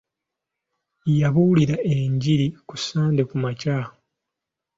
Yabuulira enjiri ku Sande kumakya.